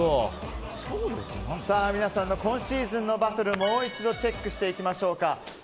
皆さんの今シーズンのバトルをもう一度チェックしていきましょうか。